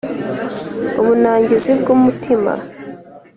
Ubunangizi bw’umutima